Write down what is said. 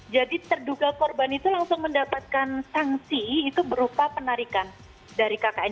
jadi terduga korban itu langsung mendapatkan sanksi itu berupa penarikan dari kkn